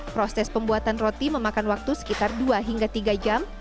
proses pembuatan roti memakan waktu sekitar dua hingga tiga jam